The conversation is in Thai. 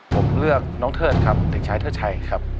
ผมเลือกน้องเทิดครับเด็กชายเทิดชัยครับ